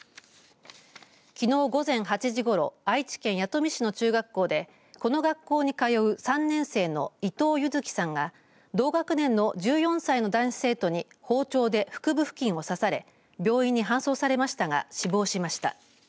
きのう午前８時ごろ愛知県弥富市の中学校でこの学校に通う３年生の伊藤柚輝さんが同学年の１４歳の男子生徒に包丁で腹部付近を刺され病院に搬送されましたが死亡しました。